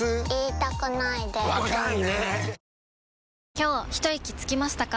今日ひといきつきましたか？